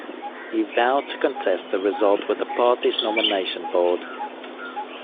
He vowed to contest the result with the party's nomination board.